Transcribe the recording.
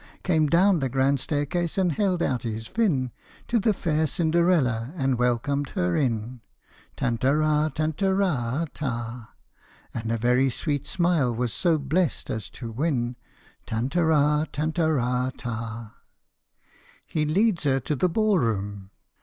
Came down the grand staircase, and held out his fin To the fair Cinderella, and welcomed her in, Tantara tantara ta ! And a very sweet smile was so blest as to win. Tantara tantara ta ! He leads her to the ball room.